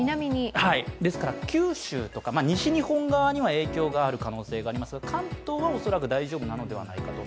九州とか西日本側には影響がある可能性がありますが関東は恐らく大丈夫なのではないかと。